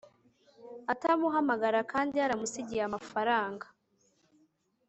atamuhamagara kandi yaramusigiye amafaranga